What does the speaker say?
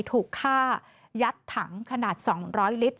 ถูกฆ่ายัดถังขนาด๒๐๐ลิตร